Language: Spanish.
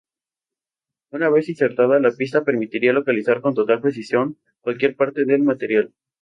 Una vez insertada, la pista permitía localizar con total precisión cualquier parte del material.